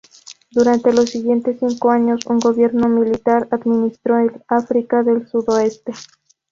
Durante los siguientes cinco años, un gobierno militar administró el África del Sudoeste.